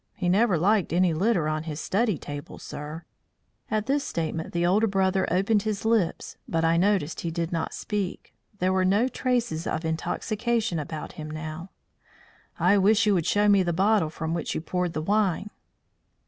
He never liked any litter on his study table, sir." At this statement the older brother opened his lips, but I noticed he did not speak. There were no traces of intoxication about him now. "I wish you would show me the bottle from which you poured the wine."